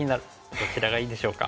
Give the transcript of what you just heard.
どちらがいいでしょうか。